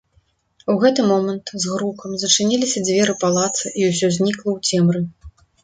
У гэты момант з грукам зачыніліся дзверы палаца і ўсё знікла ў цемры.